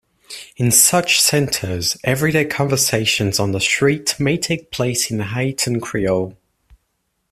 In such centers, everyday conversations on the street may take place in Haitian Creole.